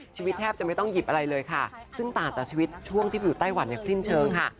ชีวิตแทบจะไม่ต้องหยิบอะไรเลยค่ะซึ่งต่างจากชีวิตช่วงที่ไปอยู่ไต้หวันอย่างสิ้นเชิงค่ะ